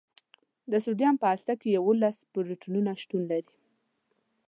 د سوډیم په هسته کې یوولس پروتونونه شتون لري.